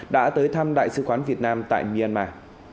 đã tới thăm đại sứ quán việt nam tại myanmar